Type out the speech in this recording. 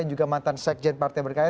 dan juga mantan sekjen partai berkarya